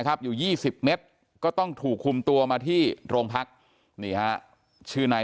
อยู่๒๐เมตรก็ต้องถูกคุมตัวมาที่โรงพักนี่ฮะชื่อนาย